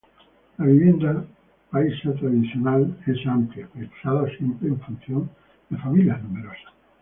La vivienda paisa tradicional es amplia, pensada siempre en función de familias numerosas.